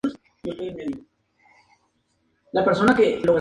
El cerdo paró inmediatamente de chillar, pero continuó luchando.